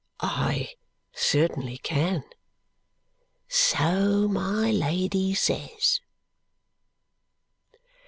"I certainly can!" "So my Lady says."